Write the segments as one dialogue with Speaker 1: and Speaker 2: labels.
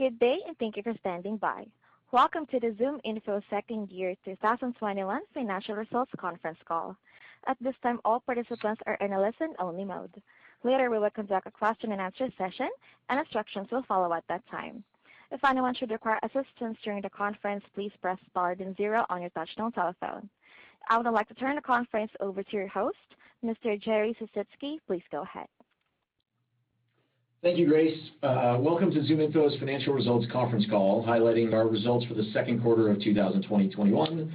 Speaker 1: Welcome to the ZoomInfo Q2 2021 financial results conference call. At this time, all participants are in listen-only mode. Later, we will conduct a question and answer session, and instructions will follow at the time. Finally, If you need assistance during the conference, please press star then zero on your telephone. I Would like to turn the conference over to your host, Mr. Jerry Sisitsky. Please go ahead.
Speaker 2: Thank you, Grace. Welcome to ZoomInfo's financial results conference call highlighting our results for the Q2 of 2021.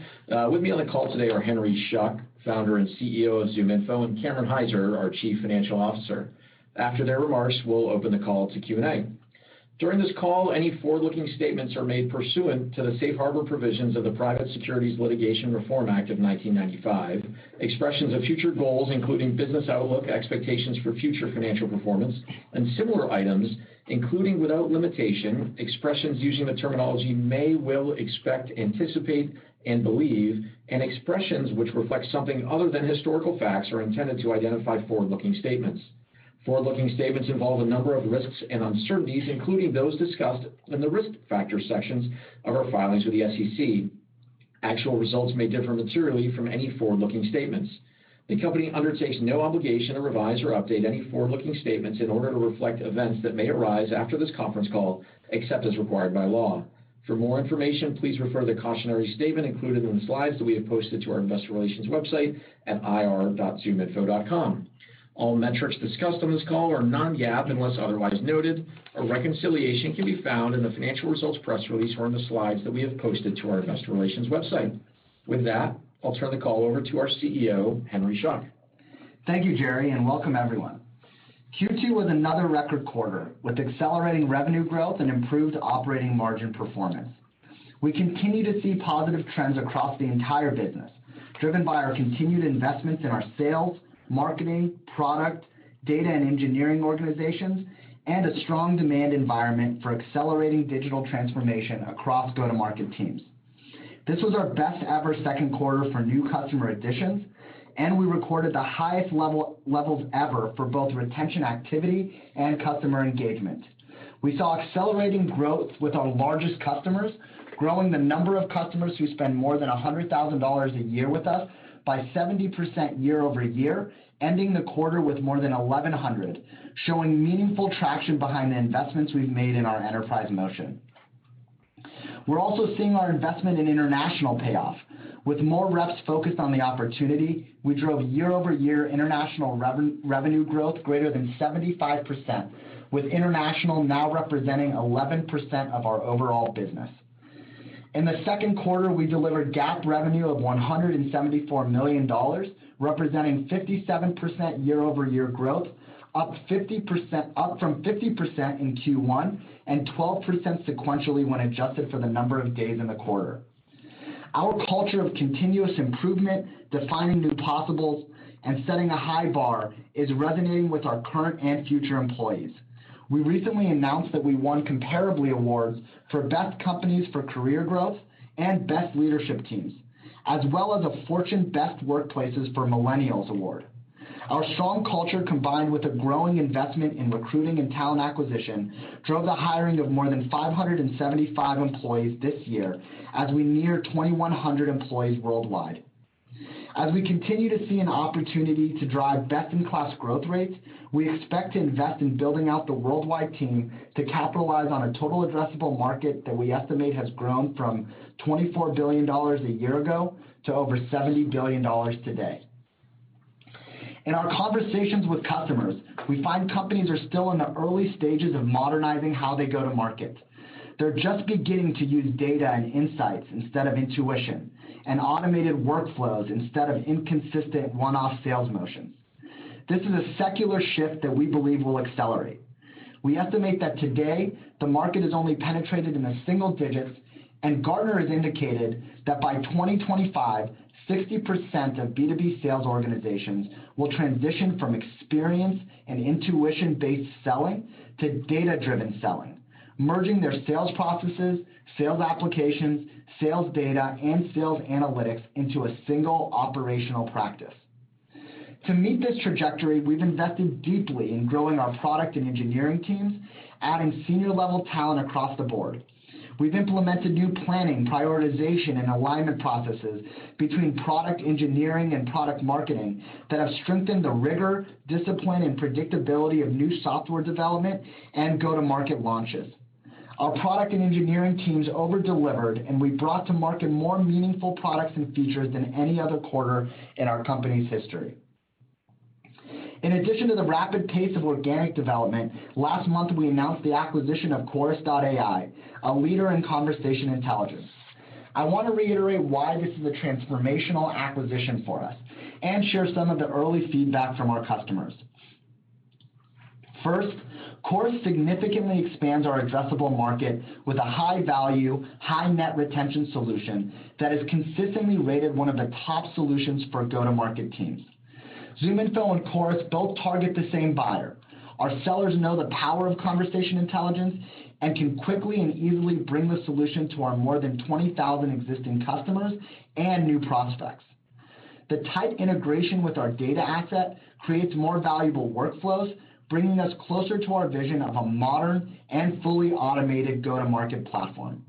Speaker 2: With me on the call today are Henry Schuck, founder and CEO of ZoomInfo, and Cameron Hyzer, our Chief Financial Officer. After their remarks, we'll open the call to Q&A. During this call, any forward-looking statements are made pursuant to the safe harbor provisions of the Private Securities Litigation Reform Act of 1995. Expressions of future goals, including business outlook, expectations for future financial performance, and similar items, including, without limitation, expressions using the terminology may, will, expect, anticipate, and believe, and expressions which reflect something other than historical facts are intended to identify forward-looking statements. Forward-looking statements involve a number of risks and uncertainties, including those discussed in the Risk Factors sections of our filings with the SEC. Actual results may differ materially from any forward-looking statements. The company undertakes no obligation to revise or update any forward-looking statements in order to reflect events that may arise after this conference call, except as required by law. For more information, please refer to the cautionary statement included in the slides that we have posted to our investor relations website at ir.zoominfo.com. All metrics discussed on this call are non-GAAP unless otherwise noted. A reconciliation can be found in the financial results press release or in the slides that we have posted to our investor relations website. With that, I'll turn the call over to our CEO, Henry Schuck.
Speaker 3: Thank you, Jerry, and welcome everyone. Q2 was another record quarter with accelerating revenue growth and improved operating margin performance. We continue to see positive trends across the entire business, driven by our continued investments in our sales, marketing, product, data and engineering organizations, and a strong demand environment for accelerating digital transformation across go-to-market teams. This was our best-ever Q2 for new customer additions, and we recorded the highest levels ever for both retention activity and customer engagement. We saw accelerating growth with our largest customers, growing the number of customers who spend more than $100,000 a year with us by 70% year-over-year, ending the quarter with more than 1,100, showing meaningful traction behind the investments we've made in our enterprise motion. We're also seeing our investment in international payoff. With more reps focused on the opportunity, we drove year-over-year international revenue growth greater than 75%, with international now representing 11% of our overall business. In the Q2, we delivered GAAP revenue of $174 million, representing 57% year-over-year growth, up from 50% in Q1 and 12% sequentially when adjusted for the number of days in the quarter. Our culture of continuous improvement, defining new possibles, and setting a high bar is resonating with our current and future employees. We recently announced that we won Comparably awards for Best Companies for Career Growth and Best Leadership Teams, as well as a Fortune Best Workplaces for Millennials award. Our strong culture, combined with a growing investment in recruiting and talent acquisition, drove the hiring of more than 575 employees this year as we near 2,100 employees worldwide. As we continue to see an opportunity to drive best-in-class growth rates, we expect to invest in building out the worldwide team to capitalize on a total addressable market that we estimate has grown from $24 billion a year ago to over $70 billion today. In our conversations with customers, we find companies are still in the early stages of modernizing how they go to market. They're just beginning to use data and insights instead of intuition, and automated workflows instead of inconsistent one-off sales motions. This is a secular shift that we believe will accelerate. We estimate that today, the market is only penetrated in the single digits, and Gartner has indicated that by 2025, 60% of B2B sales organizations will transition from experience and intuition-based selling to data-driven selling, merging their sales processes, sales applications, sales data, and sales analytics into a single operational practice. To meet this trajectory, we've invested deeply in growing our product and engineering teams, adding senior-level talent across the board. We've implemented new planning, prioritization, and alignment processes between product engineering and product marketing that have strengthened the rigor, discipline, and predictability of new software development and go-to-market launches. Our product and engineering teams over-delivered. We brought to market more meaningful products and features than any other quarter in our company's history. In addition to the rapid pace of organic development, last month, we announced the acquisition of Chorus.ai, a leader in conversation intelligence. I want to reiterate why this is a transformational acquisition for us and share some of the early feedback from our customers. First, Chorus significantly expands our addressable market with a high-value, high net retention solution that is consistently rated one of the top solutions for go-to-market teams. ZoomInfo and Chorus both target the same buyer. Our sellers know the power of conversation intelligence and can quickly and easily bring the solution to our more than 20,000 existing customers and new prospects. The tight integration with our data asset creates more valuable workflows, bringing us closer to our vision of a modern and fully automated go-to-market platform.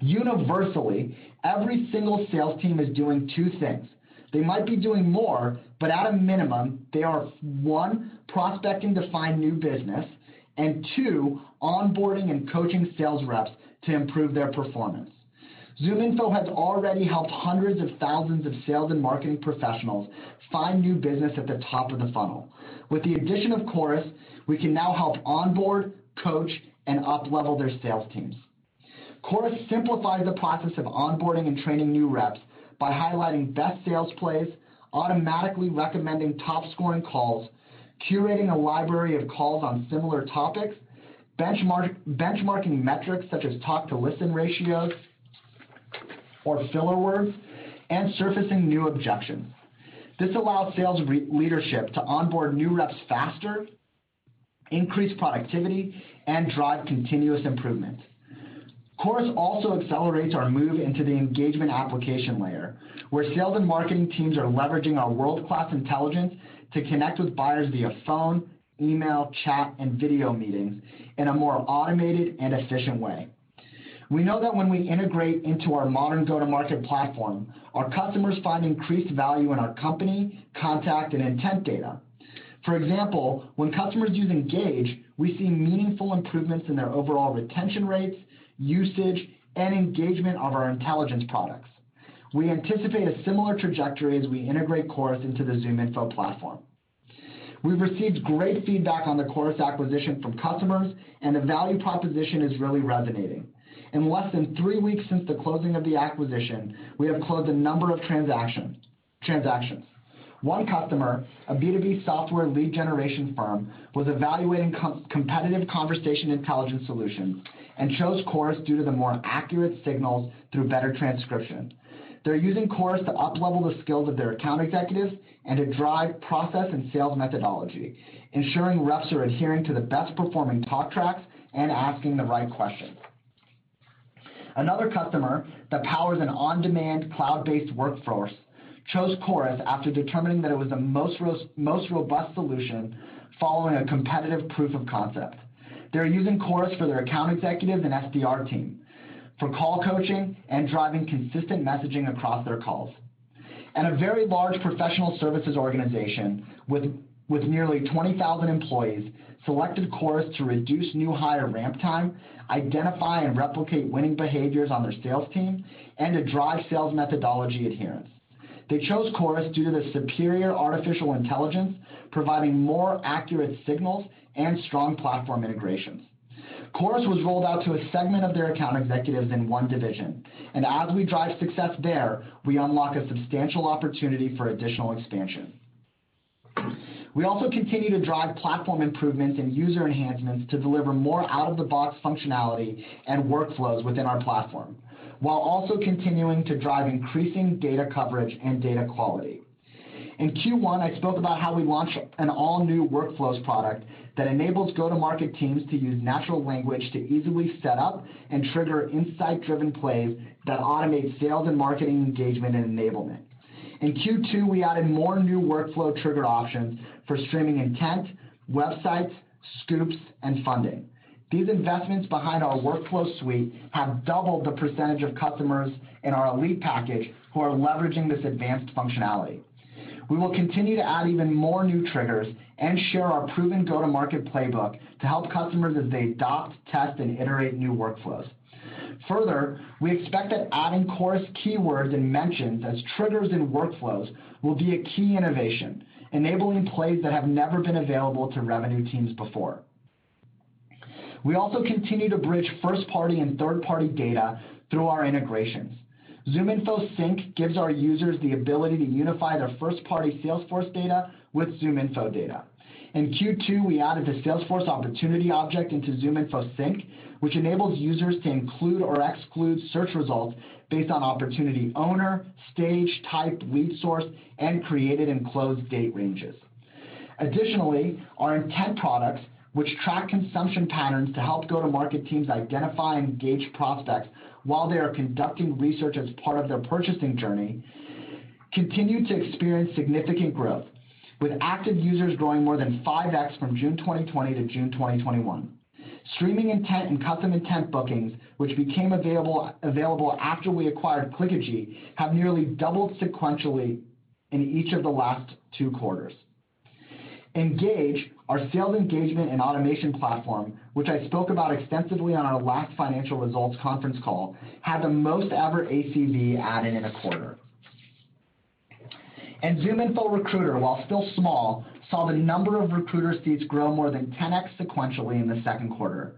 Speaker 3: Universally, every single sales team is doing two things. They might be doing more, but at a minimum, they are, one, prospecting to find new business, and two, onboarding and coaching sales reps to improve their performance. ZoomInfo has already helped hundreds of thousands of sales and marketing professionals find new business at the top of the funnel. With the addition of Chorus, we can now help onboard, coach, and up-level their sales teams. Chorus simplifies the process of onboarding and training new reps by highlighting best sales plays, automatically recommending top-scoring calls, curating a library of calls on similar topics, benchmarking metrics such as talk-to-listen ratios or filler words, and surfacing new objections. This allows sales leadership to onboard new reps faster, increase productivity, and drive continuous improvement. Chorus also accelerates our move into the engagement application layer, where sales and marketing teams are leveraging our world-class intelligence to connect with buyers via phone, email, chat, and video meetings in a more automated and efficient way. We know that when we integrate into our modern go-to-market platform, our customers find increased value in our company, contact, and intent data. For example, when customers use Engage, we see meaningful improvements in their overall retention rates, usage, and engagement of our intelligence products. We anticipate a similar trajectory as we integrate Chorus into the ZoomInfo platform. We've received great feedback on the Chorus acquisition from customers, and the value proposition is really resonating. In less than three weeks since the closing of the acquisition, we have closed a number of transactions. One customer, a B2B software lead generation firm, was evaluating competitive conversation intelligence solutions and chose Chorus due to the more accurate signals through better transcription. They're using Chorus to up-level the skills of their account executives and to drive process and sales methodology, ensuring reps are adhering to the best-performing talk tracks and asking the right questions. Another customer that powers an on-demand, cloud-based workforce chose Chorus after determining that it was the most robust solution following a competitive proof of concept. They're using Chorus for their account executive and SDR team for call coaching and driving consistent messaging across their calls. A very large professional services organization with nearly 20,000 employees selected Chorus to reduce new hire ramp time, identify and replicate winning behaviors on their sales team, and to drive sales methodology adherence. They chose Chorus due to the superior artificial intelligence, providing more accurate signals, and strong platform integrations. Chorus was rolled out to a segment of their account executives in one division, and as we drive success there, we unlock a substantial opportunity for additional expansion. We also continue to drive platform improvements and user enhancements to deliver more out-of-the-box functionality and workflows within our platform, while also continuing to drive increasing data coverage and data quality. In Q1, I spoke about how we launched an all-new workflows product that enables go-to-market teams to use natural language to easily set up and trigger insight-driven plays that automate sales and marketing engagement and enablement. In Q2, we added more new workflow trigger options for Streaming Intent, WebSights, Scoops, and funding. These investments behind our workflow suite have doubled the percentage of customers in our elite package who are leveraging this advanced functionality. We will continue to add even more new triggers and share our proven go-to-market playbook to help customers as they adopt, test, and iterate new workflows. Further, we expect that adding Chorus keywords and mentions as triggers in workflows will be a key innovation, enabling plays that have never been available to revenue teams before. We also continue to bridge first-party and third-party data through our integrations. ZoomInfo Sync gives our users the ability to unify their first-party Salesforce data with ZoomInfo data. In Q2, we added the Salesforce opportunity object into ZoomInfo Sync, which enables users to include or exclude search results based on opportunity owner, stage, type, lead source, and created and closed date ranges. Additionally, our intent products, which track consumption patterns to help go-to-market teams identify and gauge prospects while they are conducting research as part of their purchasing journey, continue to experience significant growth, with active users growing more than 5x from June 2020 to June 2021. Streaming intent and Custom Intent bookings, which became available after we acquired Clickagy, have nearly doubled sequentially in each of the last two quarters. Engage, our sales engagement and automation platform, which I spoke about extensively on our last financial results conference call, had the most ever ACV added in a quarter. ZoomInfo Recruiter, while still small, saw the number of recruiter seats grow more than 10x sequentially in the Q2.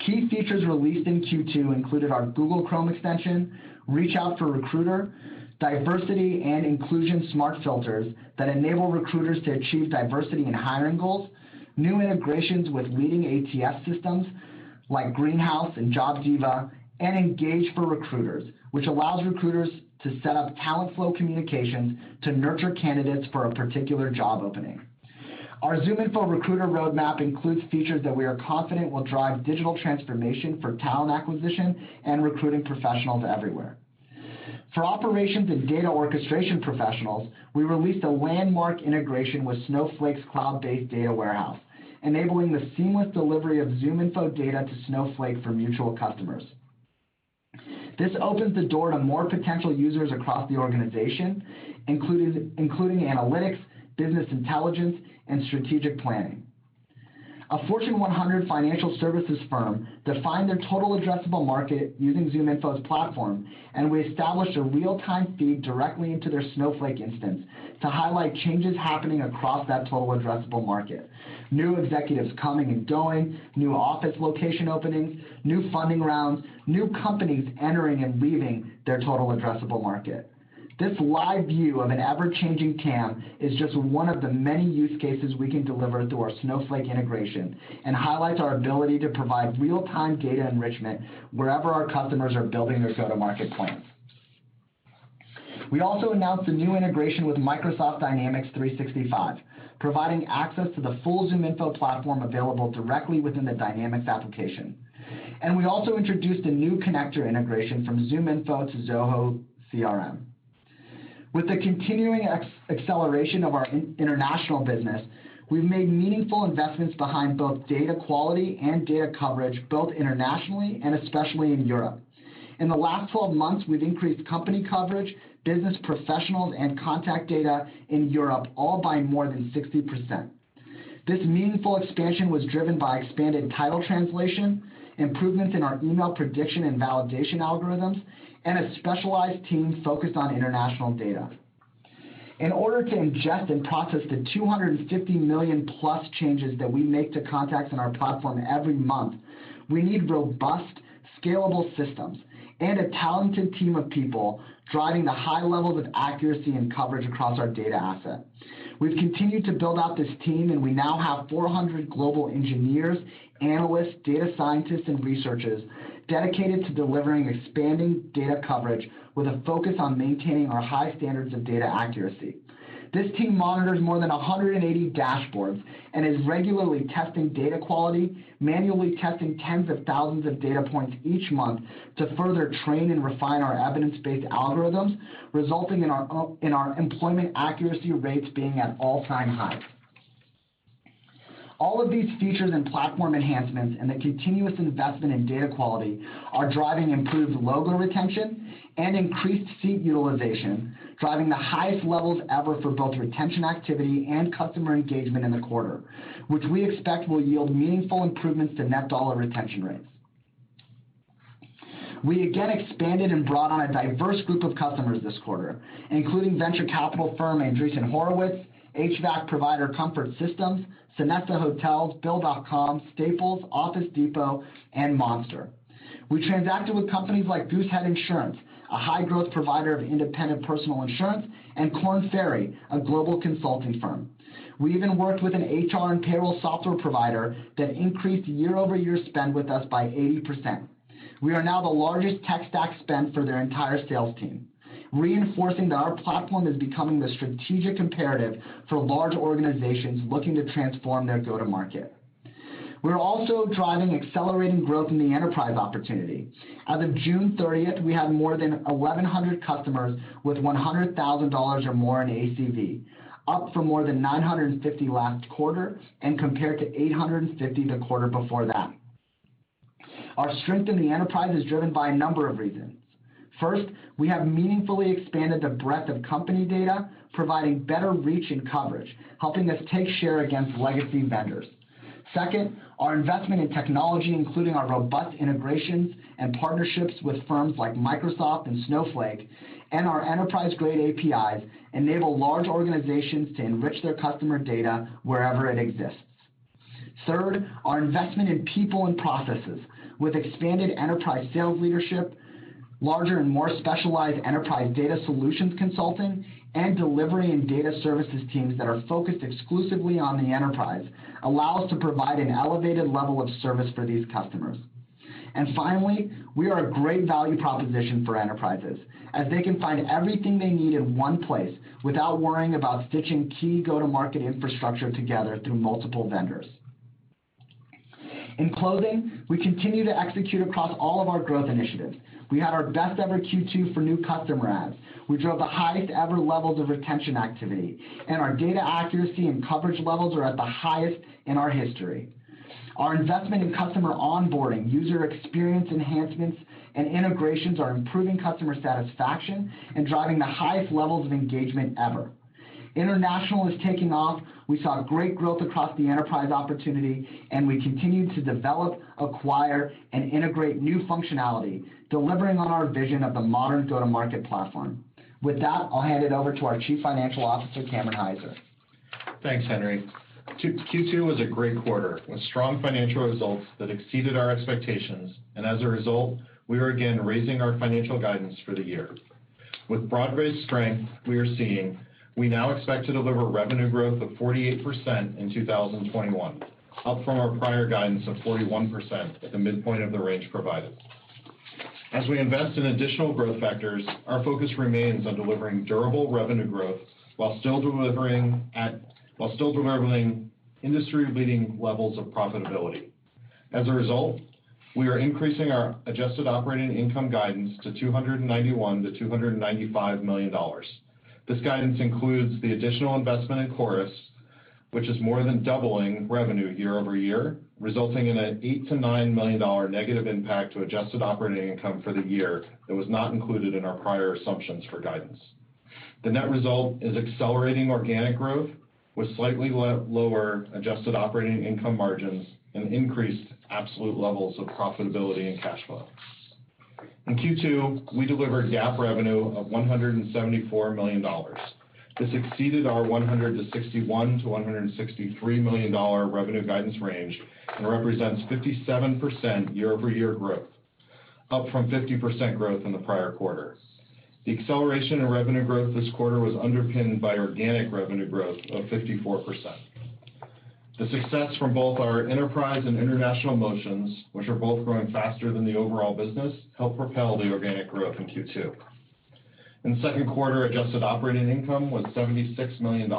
Speaker 3: Key features released in Q2 included our Google Chrome extension, ReachOut for Recruiter, diversity and inclusion smart filters that enable recruiters to achieve diversity and hiring goals, new integrations with leading ATS systems like Greenhouse and JobDiva, and Engage for Recruiters, which allows recruiters to set up talent flow communication to nurture candidates for a particular job opening. Our ZoomInfo Recruiter roadmap includes features that we are confident will drive digital transformation for talent acquisition and recruiting professionals everywhere. For operations and data orchestration professionals, we released a landmark integration with Snowflake's cloud-based data warehouse, enabling the seamless delivery of ZoomInfo data to Snowflake for mutual customers. This opens the door to more potential users across the organization, including analytics, business intelligence, and strategic planning. A Fortune 100 financial services firm defined their total addressable market using ZoomInfo's platform, and we established a real-time feed directly into their Snowflake instance to highlight changes happening across that total addressable market. New executives coming and going, new office location openings, new funding rounds, new companies entering and leaving their total addressable market. This live view of an ever-changing TAM is just one of the many use cases we can deliver through our Snowflake integration and highlights our ability to provide real-time data enrichment wherever our customers are building their go-to-market plans. We also announced a new integration with Microsoft Dynamics 365, providing access to the full ZoomInfo platform available directly within the Dynamics application. We also introduced a new connector integration from ZoomInfo to Zoho CRM. With the continuing acceleration of our international business, we've made meaningful investments behind both data quality and data coverage, both internationally and especially in Europe. In the last 12 months, we've increased company coverage, business professionals, and contact data in Europe, all by more than 60%. This meaningful expansion was driven by expanded title translation, improvements in our email prediction and validation algorithms, and a specialized team focused on international data. In order to ingest and process the 250 million-plus changes that we make to contacts in our platform every month, we need robust, scalable systems and a talented team of people driving the high levels of accuracy and coverage across our data asset. We've continued to build out this team, and we now have 400 global engineers, analysts, data scientists, and researchers dedicated to delivering expanding data coverage with a focus on maintaining our high standards of data accuracy. This team monitors more than 180 dashboards and is regularly testing data quality, manually testing tens of thousands of data points each month to further train and refine our evidence-based algorithms, resulting in our employment accuracy rates being at all-time highs. All of these features and platform enhancements and the continuous investment in data quality are driving improved logo retention and increased seat utilization, driving the highest levels ever for both retention activity and customer engagement in the quarter, which we expect will yield meaningful improvements to net dollar retention rates. We again expanded and brought on a diverse group of customers this quarter, including venture capital firm Andreessen Horowitz, HVAC provider Comfort Systems, Sonesta Hotels, Bill.com, Staples, Office Depot, and Monster. We transacted with companies like Goosehead Insurance, a high-growth provider of independent personal insurance, and Korn Ferry, a global consulting firm. We even worked with an HR and payroll software provider that increased year-over-year spend with us by 80%. We are now the largest tech stack spend for their entire sales team, reinforcing that our platform is becoming the strategic imperative for large organizations looking to transform their go-to-market. We are also driving accelerating growth in the enterprise opportunity. As of June 30th, we had more than 1,100 customers with $100,000 or more in ACV, up from more than 950 last quarter and compared to 850 the quarter before that. Our strength in the enterprise is driven by a number of reasons. First, we have meaningfully expanded the breadth of company data, providing better reach and coverage, helping us take share against legacy vendors. Second, our investment in technology, including our robust integrations and partnerships with firms like Microsoft and Snowflake, and our enterprise-grade APIs enable large organizations to enrich their customer data wherever it exists. Third, our investment in people and processes with expanded enterprise sales leadership, larger and more specialized enterprise data solutions consulting, and delivery and data services teams that are focused exclusively on the enterprise, allow us to provide an elevated level of service for these customers. Finally, we are a great value proposition for enterprises, as they can find everything they need in one place without worrying about stitching key go-to-market infrastructure together through multiple vendors. In closing, we continue to execute across all of our growth initiatives. We had our best ever Q2 for new customer adds. We drove the highest ever levels of retention activity, and our data accuracy and coverage levels are at the highest in our history. Our investment in customer onboarding, user experience enhancements, and integrations are improving customer satisfaction and driving the highest levels of engagement ever. International is taking off. We saw great growth across the enterprise opportunity, and we continued to develop, acquire, and integrate new functionality, delivering on our vision of the modern go-to-market platform. With that, I'll hand it over to our Chief Financial Officer, Cameron Hyzer.
Speaker 4: Thanks, Henry. Q2 was a great quarter with strong financial results that exceeded our expectations. As a result, we are again raising our financial guidance for the year. With broad-based strength we are seeing, we now expect to deliver revenue growth of 48% in 2021, up from our prior guidance of 41% at the midpoint of the range provided. As we invest in additional growth vectors, our focus remains on delivering durable revenue growth while still delivering industry-leading levels of profitability. As a result, we are increasing our adjusted operating income guidance to $291 million-$295 million. This guidance includes the additional investment in Chorus, which is more than doubling revenue year-over-year, resulting in an $8 million-$9 million negative impact to adjusted operating income for the year that was not included in our prior assumptions for guidance. The net result is accelerating organic growth with slightly lower adjusted operating income margins and increased absolute levels of profitability and cash flow. In Q2, we delivered GAAP revenue of $174 million. This exceeded our $161 million-$163 million revenue guidance range and represents 57% year-over-year growth, up from 50% growth in the prior quarter. The acceleration in revenue growth this quarter was underpinned by organic revenue growth of 54%. The success from both our enterprise and international motions, which are both growing faster than the overall business, helped propel the organic growth in Q2. In the Q2, adjusted operating income was $76 million.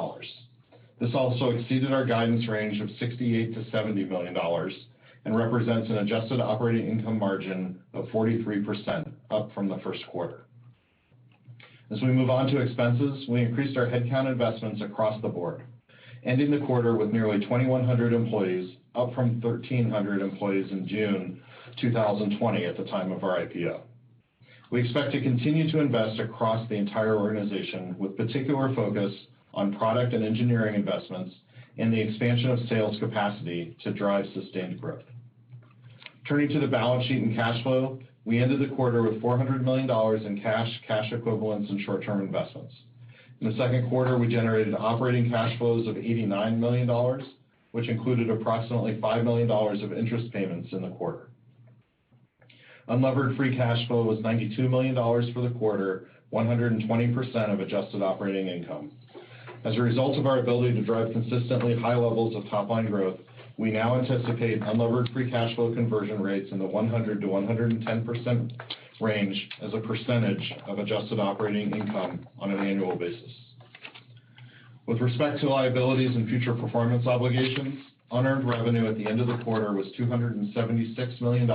Speaker 4: This also exceeded our guidance range of $68 million-$70 million and represents an adjusted operating income margin of 43%, up from the Q1. As we move on to expenses, we increased our headcount investments across the board, ending the quarter with nearly 2,100 employees, up from 1,300 employees in June 2020 at the time of our IPO. We expect to continue to invest across the entire organization, with particular focus on product and engineering investments and the expansion of sales capacity to drive sustained growth. Turning to the balance sheet and cash flow, we ended the quarter with $400 million in cash equivalents, and short-term investments. In the Q2, we generated operating cash flows of $89 million, which included approximately $5 million of interest payments in the quarter. Unlevered free cash flow was $92 million for the quarter, 120% of adjusted operating income. As a result of our ability to drive consistently high levels of top-line growth, we now anticipate unlevered free cash flow conversion rates in the 100%-110% range as a percentage of adjusted operating income on an annual basis. With respect to liabilities and future performance obligations, unearned revenue at the end of the quarter was $276 million,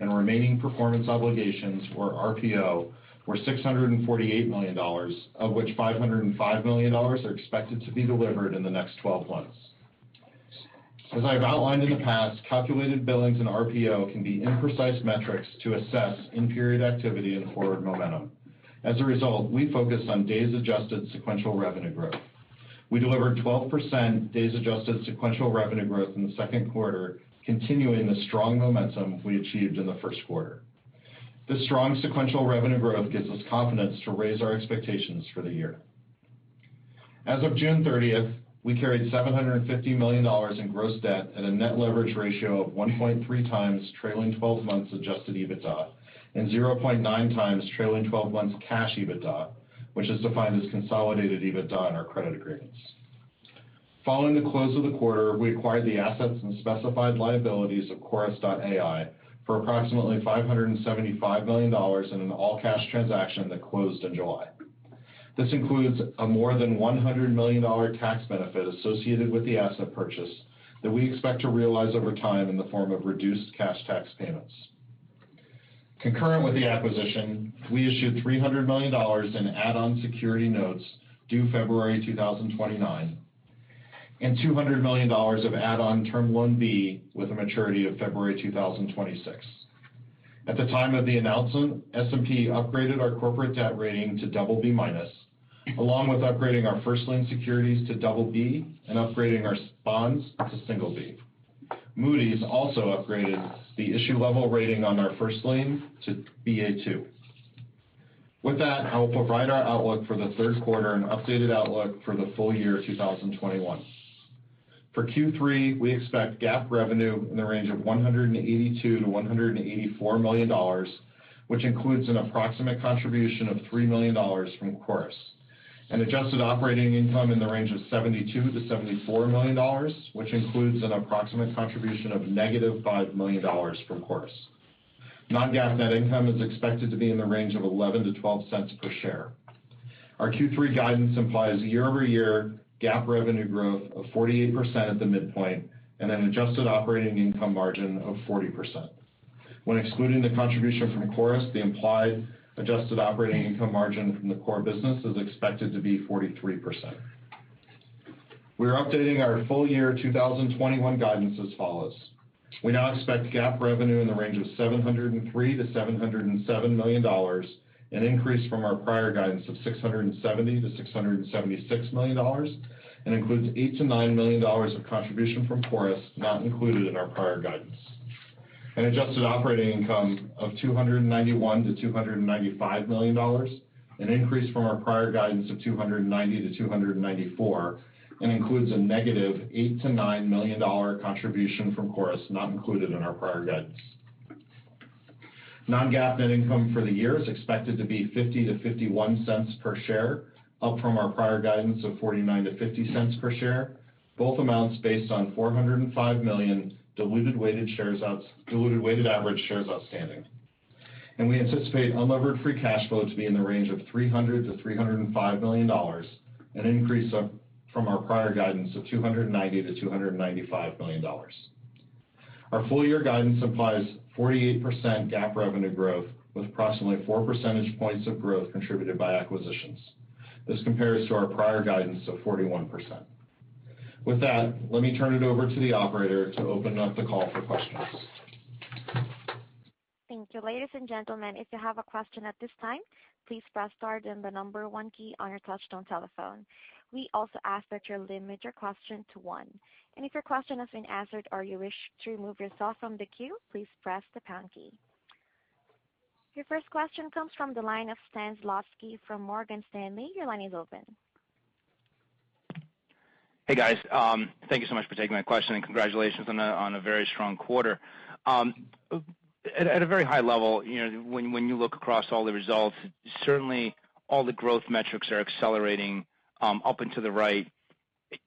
Speaker 4: and remaining performance obligations or RPO were $648 million, of which $505 million are expected to be delivered in the next 12 months. As I have outlined in the past, calculated billings and RPO can be imprecise metrics to assess in-period activity and forward momentum. As a result, we focus on days-adjusted sequential revenue growth. We delivered 12% days-adjusted sequential revenue growth in the Q2, continuing the strong momentum we achieved in the Q1. This strong sequential revenue growth gives us confidence to raise our expectations for the year. As of June 30th, we carried $750 million in gross debt at a net leverage ratio of 1.3 times trailing 12 months adjusted EBITDA and 0.9 times trailing 12 months cash EBITDA, which is defined as consolidated EBITDA in our credit agreements. Following the close of the quarter, we acquired the assets and specified liabilities of Chorus.ai for approximately $575 million in an all-cash transaction that closed in July. This includes a more than $100 million tax benefit associated with the asset purchase that we expect to realize over time in the form of reduced cash tax payments. Concurrent with the acquisition, we issued $300 million in add-on security notes due February 2029 and $200 million of add-on Term Loan B with a maturity of February 2026. At the time of the announcement, S&P upgraded our corporate debt rating to double B minus, along with upgrading our first lien securities to double B and upgrading our bonds to single B. Moody's also upgraded the issue level rating on our first lien to Ba2. With that, I will provide our outlook for the Q3 and updated outlook for the full year 2021. For Q3, we expect GAAP revenue in the range of $182 million-$184 million, which includes an approximate contribution of $3 million from Chorus, and adjusted operating income in the range of $72 million-$74 million, which includes an approximate contribution of negative $5 million from Chorus. Non-GAAP net income is expected to be in the range of $0.11-$0.12 per share. Our Q3 guidance implies year-over-year GAAP revenue growth of 48% at the midpoint and an adjusted operating income margin of 40%. When excluding the contribution from Chorus, the implied adjusted operating income margin from the core business is expected to be 43%. We are updating our full year 2021 guidance as follows. We now expect GAAP revenue in the range of $703 million-$707 million, an increase from our prior guidance of $670 million-$676 million, and includes $8 million-$9 million of contribution from Chorus not included in our prior guidance. An adjusted operating income of $291 million-$295 million, an increase from our prior guidance of $290 million-$294 million, and includes a negative $8 million-$9 million contribution from Chorus not included in our prior guidance. Non-GAAP net income for the year is expected to be $0.50-$0.51 per share, up from our prior guidance of $0.49-$0.50 per share, both amounts based on 405 million diluted weighted average shares outstanding. We anticipate unlevered free cash flow to be in the range of $300 million-$305 million, an increase from our prior guidance of $290 million-$295 million. Our full-year guidance implies 48% GAAP revenue growth, with approximately 4 percentage points of growth contributed by acquisitions. This compares to our prior guidance of 41%. With that, let me turn it over to the operator to open up the call for questions.
Speaker 1: Your first question comes from the line of Stan Zlotsky from Morgan Stanley. Your line is open.
Speaker 5: Hey, guys. Thank you so much for taking my question. Congratulations on a very strong quarter. At a very high level, when you look across all the results, certainly all the growth metrics are accelerating up and to the right.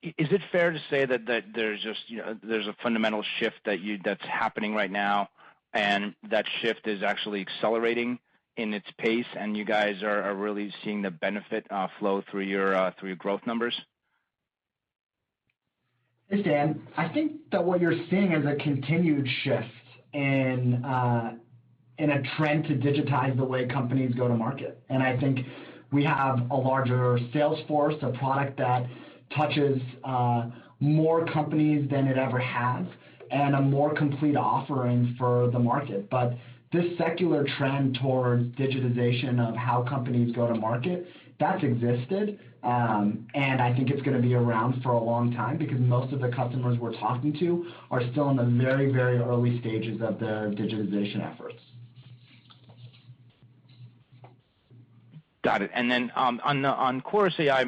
Speaker 5: Is it fair to say that there's a fundamental shift that's happening right now, and that shift is actually accelerating in its pace, and you guys are really seeing the benefit flow through your growth numbers?
Speaker 3: Hey, Stan. I think that what you're seeing is a continued shift in a trend to digitize the way companies go to market. I think we have a larger sales force, a product that touches more companies than it ever has, and a more complete offering for the market. This secular trend towards digitization of how companies go to market, that's existed, and I think it's going to be around for a long time because most of the customers we're talking to are still in the very early stages of their digitization efforts.
Speaker 5: Got it. Then on Chorus.ai,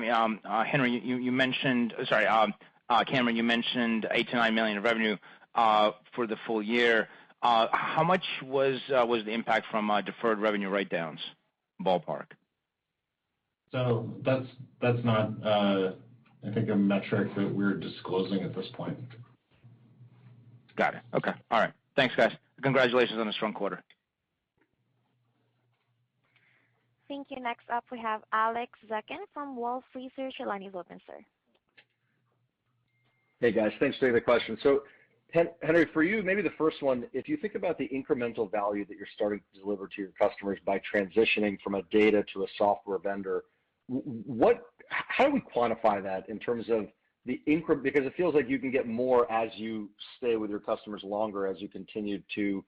Speaker 5: Cameron, you mentioned $8 million-$9 million in revenue for the full year. How much was the impact from deferred revenue write-downs, ballpark?
Speaker 4: That's not, I think, a metric that we're disclosing at this point.
Speaker 5: Got it. Okay. All right. Thanks, guys. Congratulations on a strong quarter.
Speaker 1: Thank you. Next up, we have Alex Zukin from Wolfe Research. Your line is open, sir.
Speaker 6: Hey, guys. Thanks for taking the question. Henry, for you, maybe the first one, if you think about the incremental value that you're starting to deliver to your customers by transitioning from a data to a software vendor, how do we quantify that in terms of the increment? It feels like you can get more as you stay with your customers longer, as you continue to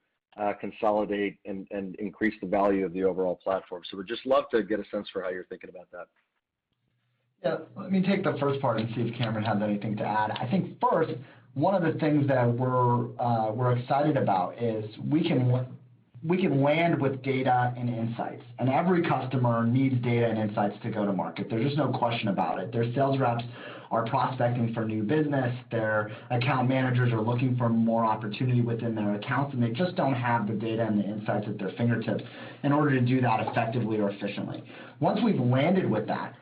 Speaker 6: consolidate and increase the value of the overall platform. We'd just love to get a sense for how you're thinking about that.
Speaker 3: Yeah. Let me take the first part and see if Cameron has anything to add. I think first, one of the things that we're excited about is we can land with data and insights, and every customer needs data and insights to go to market. There's just no question about it. Their sales reps are prospecting for new business. Their account managers are looking for more opportunity within their accounts, and they just don't have the data and the insights at their fingertips in order to do that effectively or efficiently. Once we've landed with that,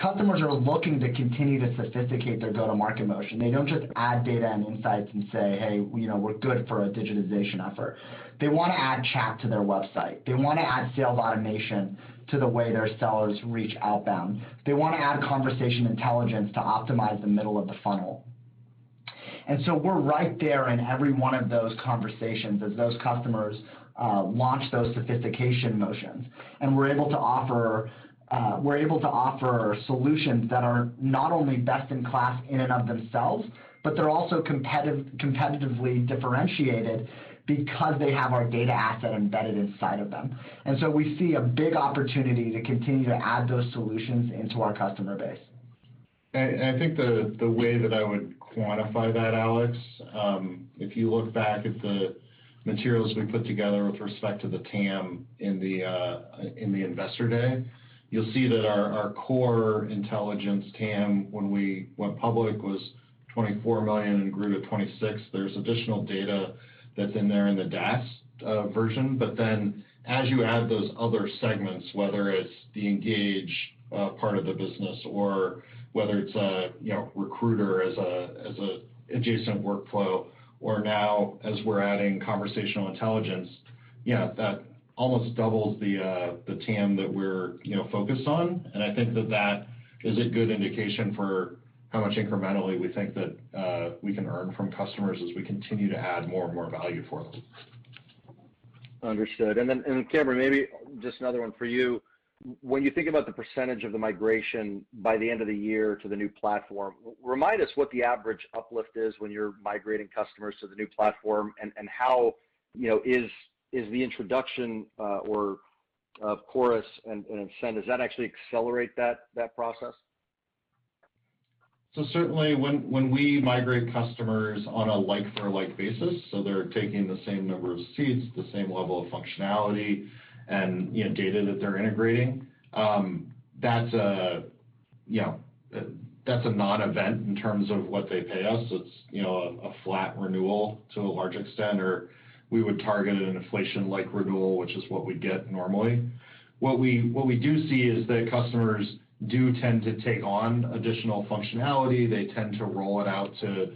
Speaker 3: customers are looking to continue to sophisticate their go-to-market motion. They don't just add data and insights and say, "Hey, we're good for a digitization effort." They want to add chat to their website. They want to add sales automation to the way their sellers reach outbound. They want to add conversation intelligence to optimize the middle of the funnel. We're right there in every one of those conversations as those customers launch those sophistication motions. We're able to offer solutions that are not only best in class in and of themselves, but they're also competitively differentiated because they have our data asset embedded inside of them. We see a big opportunity to continue to add those solutions into our customer base.
Speaker 4: I think the way that I would quantify that, Alex, if you look back at the materials we put together with respect to the TAM in the investor day, you'll see that our core intelligence TAM, when we went public, was $24 million and grew to $26 million. There's additional data that's in there in the DaaS version. As you add those other segments, whether it's the Engage part of the business or whether it's Recruiter as an adjacent workflow, or now as we're adding conversational intelligence, that almost doubles the TAM that we're focused on. I think that that is a good indication for how much incrementally we think that we can earn from customers as we continue to add more and more value for them.
Speaker 6: Understood. Then Cameron, maybe just another one for you. When you think about the percentage of the migration by the end of the year to the new platform, remind us what the average uplift is when you're migrating customers to the new platform, and how is the introduction of Chorus and Insent, does that actually accelerate that process?
Speaker 4: Certainly when we migrate customers on a like for like basis, so they're taking the same number of seats, the same level of functionality, and data that they're integrating, that's a non-event in terms of what they pay us. It's a flat renewal to a large extent, or we would target an inflation-like renewal, which is what we'd get normally. What we do see is that customers do tend to take on additional functionality. They tend to roll it out to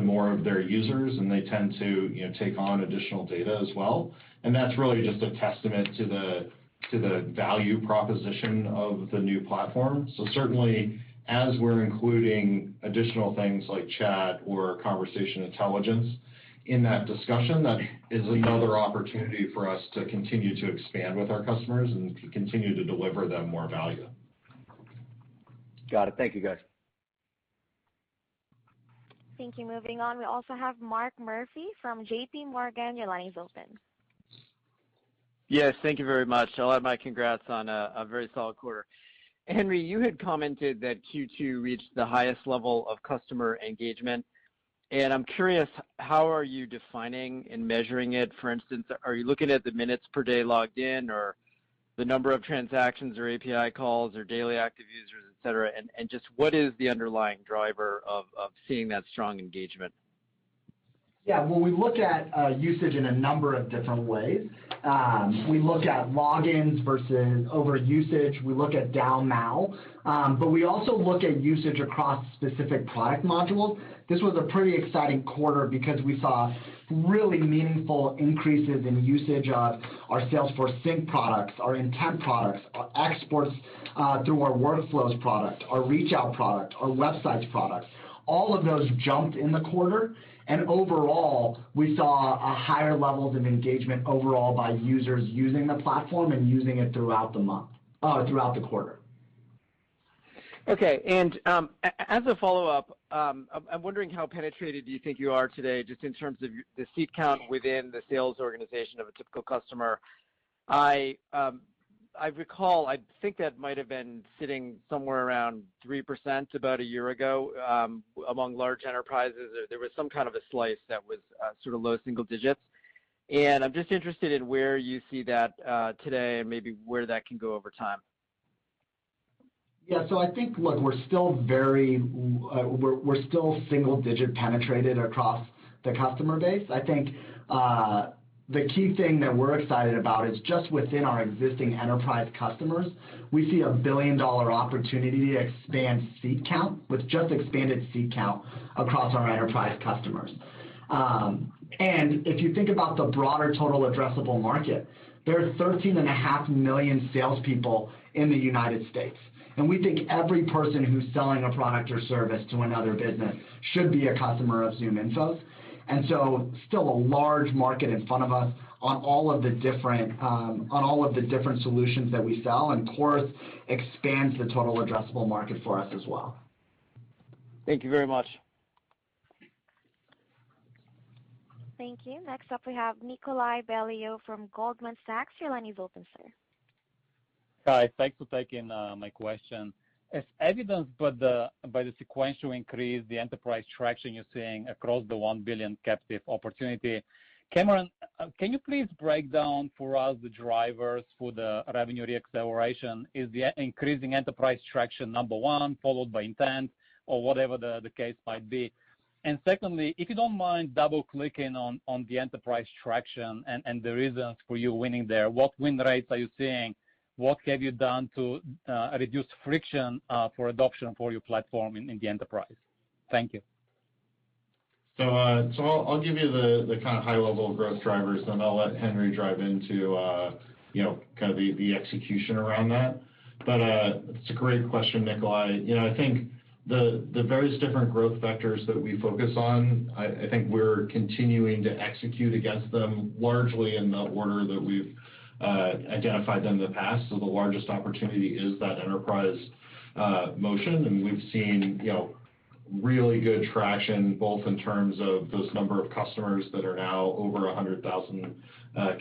Speaker 4: more of their users, and they tend to take on additional data as well. That's really just a testament to the value proposition of the new platform. Certainly, as we're including additional things like chat or conversation intelligence in that discussion, that is another opportunity for us to continue to expand with our customers and to continue to deliver them more value.
Speaker 6: Got it. Thank you, guys.
Speaker 1: Thank you. Moving on, we also have Mark Murphy from J.P. Morgan. Your line is open.
Speaker 7: Yes, thank you very much. I'll add my congrats on a very solid quarter. Henry, you had commented that Q2 reached the highest level of customer engagement, and I'm curious, how are you defining and measuring it? For instance, are you looking at the minutes per day logged in or the number of transactions or API calls or daily active users, et cetera? Just what is the underlying driver of seeing that strong engagement?
Speaker 3: Yeah, well, we look at usage in a number of different ways. We look at logins versus over usage. We look at DAU/MAU. We also look at usage across specific product modules. This was a pretty exciting quarter because we saw really meaningful increases in usage on our Salesforce Sync products, our Intent products, our exports through our Workflows product, our ReachOut product, our websites product. All of those jumped in the quarter. Overall, we saw higher levels of engagement overall by users using the platform and using it throughout the quarter.
Speaker 7: Okay. As a follow-up, I'm wondering how penetrated do you think you are today, just in terms of the seat count within the sales organization of a typical customer? I recall, I think that might have been sitting somewhere around 3% about a year ago, among large enterprises. There was some kind of a slice that was sort of low single digits. I'm just interested in where you see that today and maybe where that can go over time.
Speaker 3: Yeah. I think, look, we're still single-digit penetrated across the customer base. I think the key thing that we're excited about is just within our existing enterprise customers, we see a billion-dollar opportunity to expand seat count, with just expanded seat count across our enterprise customers. If you think about the broader total addressable market, there are 13.5 million salespeople in the U.S., and we think every person who's selling a product or service to another business should be a customer of ZoomInfo's. Still a large market in front of us on all of the different solutions that we sell, and Chorus expands the total addressable market for us as well.
Speaker 7: Thank you very much.
Speaker 1: Thank you. Next up, we have Nikolay Beliov from Goldman Sachs. Your line is open, sir.
Speaker 8: Hi. Thanks for taking my question. As evidenced by the sequential increase, the enterprise traction you're seeing across the $1 billion captive opportunity, Cameron, can you please break down for us the drivers for the revenue re-acceleration? Is the increasing enterprise traction number one, followed by Intent, or whatever the case might be? Secondly, if you don't mind double-clicking on the enterprise traction and the reasons for you winning there, what win rates are you seeing? What have you done to reduce friction for adoption for your platform in the enterprise? Thank you.
Speaker 4: I'll give you the high-level growth drivers, then I'll let Henry dive into the execution around that. It's a great question, Nikolay. I think the various different growth vectors that we focus on, I think we're continuing to execute against them largely in the order that we've identified them in the past. The largest opportunity is that enterprise motion, and we've seen really good traction, both in terms of those number of customers that are now over 100,000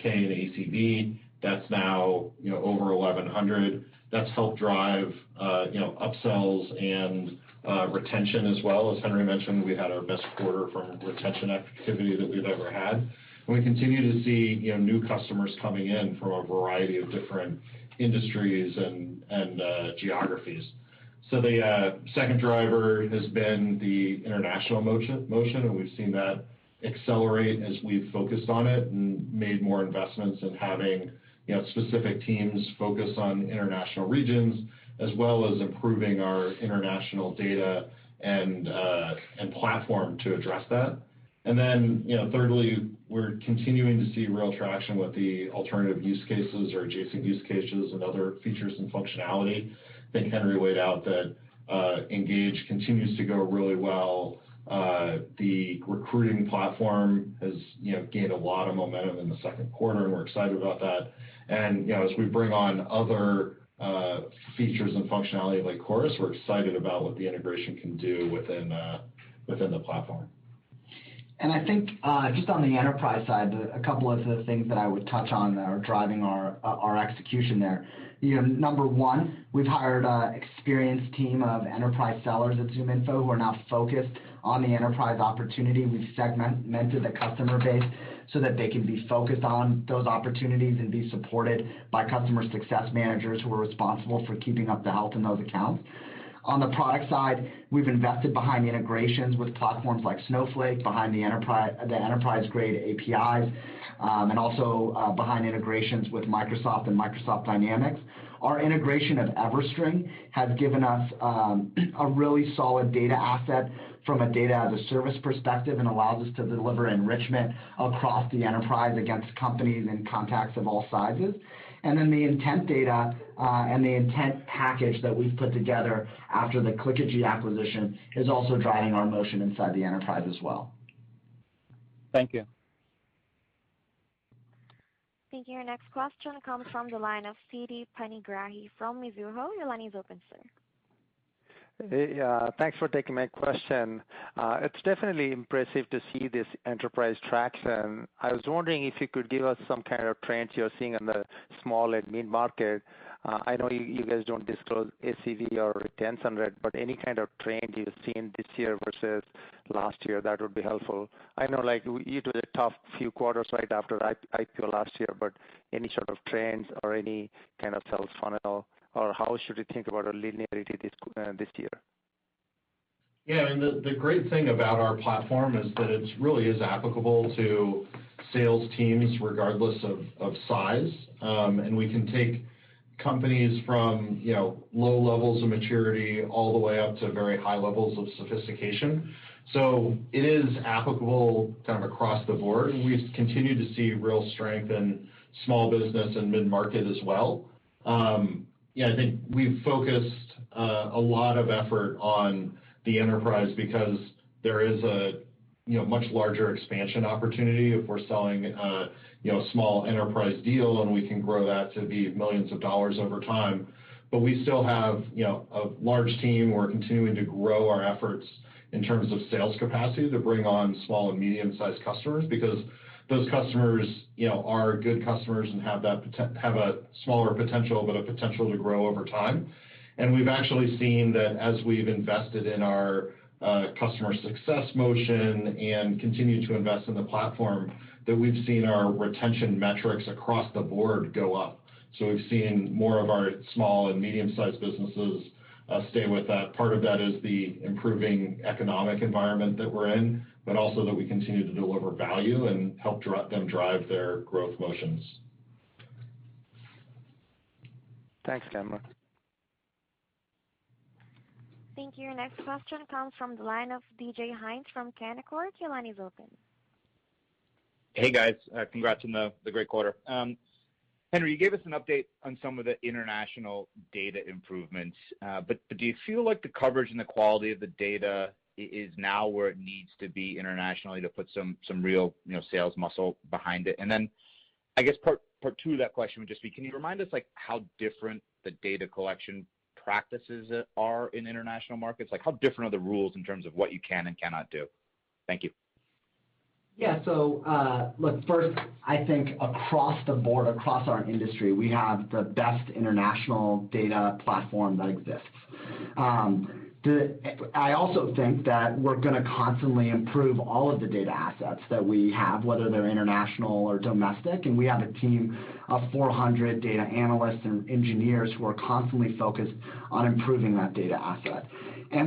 Speaker 4: K in ACV. That's now over 1,100. That's helped drive upsells and retention as well. As Henry mentioned, we had our best quarter from retention activity that we've ever had. We continue to see new customers coming in from a variety of different industries and geographies. The second driver has been the international motion, and we've seen that accelerate as we've focused on it and made more investments in having specific teams focus on international regions, as well as improving our international data and platform to address that. Thirdly, we're continuing to see real traction with the alternative use cases or adjacent use cases and other features and functionality. I think Henry laid out that Engage continues to go really well. The recruiting platform has gained a lot of momentum in the Q2, and we're excited about that. As we bring on other features and functionality like Chorus, we're excited about what the integration can do within the platform.
Speaker 3: I think, just on the enterprise side, a couple of the things that I would touch on that are driving our execution there. Number one, we've hired an experienced team of enterprise sellers at ZoomInfo who are now focused on the enterprise opportunity. We've segmented the customer base so that they can be focused on those opportunities and be supported by customer success managers who are responsible for keeping up the health in those accounts. On the product side, we've invested behind integrations with platforms like Snowflake, behind the enterprise-grade APIs, and also behind integrations with Microsoft and Microsoft Dynamics. Our integration of EverString has given us a really solid data asset from a data-as-a-service perspective, and allows us to deliver enrichment across the enterprise against companies and contacts of all sizes. The intent data, and the intent package that we've put together after the Clickagy acquisition is also driving our motion inside the enterprise as well.
Speaker 8: Thank you.
Speaker 1: Thank you. Your next question comes from the line of Siti Panigrahi from Mizuho. Your line is open, sir.
Speaker 9: Hey. Thanks for taking my question. It's definitely impressive to see this enterprise traction. I was wondering if you could give us some kind of trends you're seeing in the small and mid-market. I know you guys don't disclose ACV or retention rate, but any kind of trends you've seen this year versus last year, that would be helpful. I know you had a tough few quarters right after IPO last year, but any sort of trends or any kind of sales funnel, or how should we think about a linearity this year?
Speaker 4: Yeah. The great thing about our platform is that it really is applicable to sales teams regardless of size. We can take companies from low levels of maturity all the way up to very high levels of sophistication. It is applicable across the board, and we continue to see real strength in small business and mid-market as well. Yeah, I think we've focused a lot of effort on the enterprise because there is a much larger expansion opportunity if we're selling a small enterprise deal, and we can grow that to be millions of dollars over time. We still have a large team. We're continuing to grow our efforts in terms of sales capacity to bring on small and medium-sized customers, because those customers are good customers and have a smaller potential, but a potential to grow over time. We've actually seen that as we've invested in our customer success motion and continue to invest in the platform, that we've seen our retention metrics across the board go up. We've seen more of our small and medium-sized businesses stay with that. Part of that is the improving economic environment that we're in, but also that we continue to deliver value and help them drive their growth motions.
Speaker 9: Thanks, Cameron.
Speaker 1: Thank you. Your next question comes from the line of DJ Hynes from Canaccord. Your line is open.
Speaker 10: Hey, guys. Congrats on the great quarter. Henry, you gave us an update on some of the international data improvements. Do you feel like the coverage and the quality of the data is now where it needs to be internationally to put some real sales muscle behind it? I guess part two of that question would just be, can you remind us how different the data collection practices are in international markets? How different are the rules in terms of what you can and cannot do? Thank you.
Speaker 3: Yeah. Look, first, I think across the board, across our industry, we have the best international data platform that exists. I also think that we're going to constantly improve all of the data assets that we have, whether they're international or domestic. We have a team of 400 data analysts and engineers who are constantly focused on improving that data asset.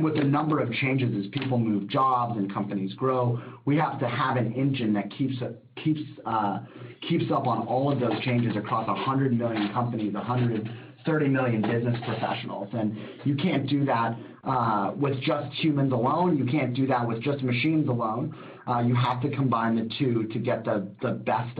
Speaker 3: With the number of changes as people move jobs and companies grow, we have to have an engine that keeps up on all of those changes across 100 million companies, 130 million business professionals. You can't do that with just humans alone. You can't do that with just machines alone. You have to combine the two to get the best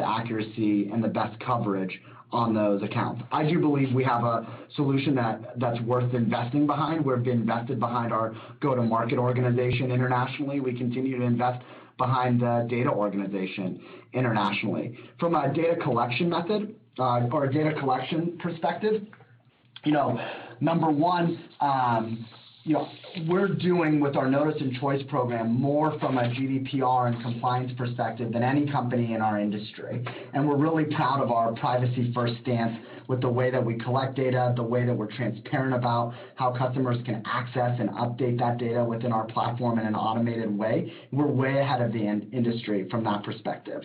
Speaker 3: accuracy and the best coverage on those accounts. I do believe we have a solution that's worth investing behind. We've invested behind our go-to-market organization internationally. We continue to invest behind the data organization internationally. From a data collection method, or a data collection perspective, number one, we're doing with our notice and choice program more from a GDPR and compliance perspective than any company in our industry. We're really proud of our privacy-first stance with the way that we collect data, the way that we're transparent about how customers can access and update that data within our platform in an automated way. We're way ahead of the industry from that perspective.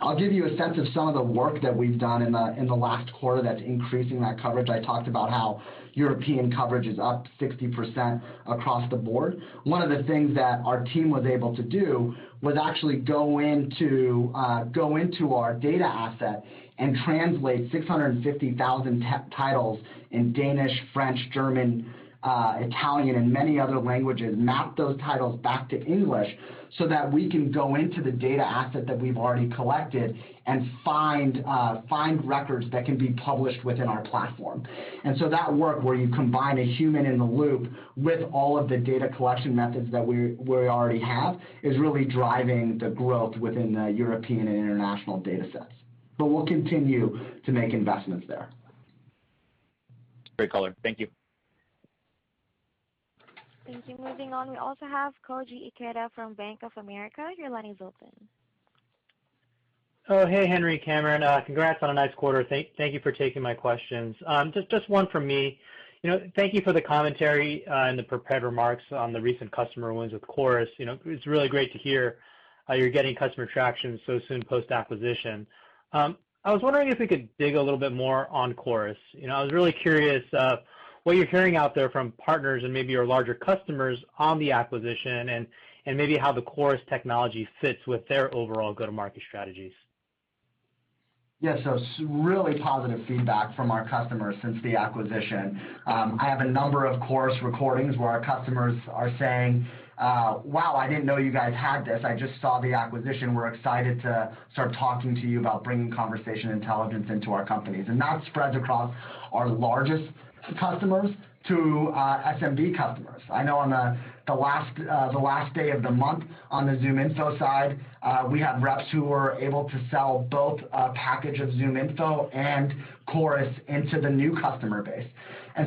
Speaker 3: I'll give you a sense of some of the work that we've done in the last quarter that's increasing that coverage. I talked about how European coverage is up 60% across the board. One of the things that our team was able to do was actually go into our data asset and translate 650,000 titles in Danish, French, German, Italian, and many other languages, map those titles back to English so that we can go into the data asset that we've already collected and find records that can be published within our platform. That work where you combine a human in the loop with all of the data collection methods that we already have, is really driving the growth within the European and international data sets. We'll continue to make investments there.
Speaker 10: Great color. Thank you.
Speaker 1: Thank you. Moving on, we also have Koji Ikeda from Bank of America. Your line is open.
Speaker 11: Oh, hey, Henry, Cameron. Congrats on a nice quarter. Thank you for taking my questions. Just one from me. Thank you for the commentary in the prepared remarks on the recent customer wins with Chorus. It's really great to hear you're getting customer traction so soon post-acquisition. I was wondering if we could dig a little bit more on Chorus. I was really curious, what you're hearing out there from partners and maybe your larger customers on the acquisition, and maybe how the Chorus technology fits with their overall go-to-market strategies.
Speaker 3: Yes. Really positive feedback from our customers since the acquisition. I have a number of Chorus recordings where our customers are saying, "Wow, I didn't know you guys had this. I just saw the acquisition. We're excited to start talking to you about bringing conversation intelligence into our companies." That spreads across our largest customers to SMB customers. I know on the last day of the month on the ZoomInfo side, we had reps who were able to sell both a package of ZoomInfo and Chorus into the new customer base.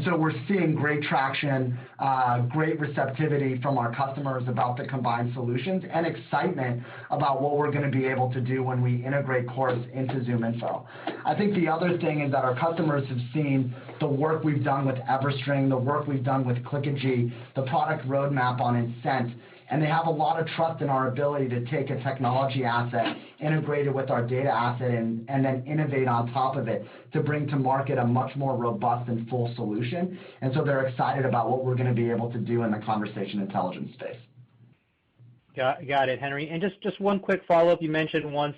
Speaker 3: We're seeing great traction, great receptivity from our customers about the combined solutions, and excitement about what we're going to be able to do when we integrate Chorus into ZoomInfo. I think the other thing is that our customers have seen the work we've done with EverString, the work we've done with Clickagy, the product roadmap on Intent, and they have a lot of trust in our ability to take a technology asset, integrate it with our data asset, and then innovate on top of it to bring to market a much more robust and full solution. They're excited about what we're going to be able to do in the conversation intelligence space.
Speaker 11: Got it, Henry. Just one quick follow-up. You mentioned once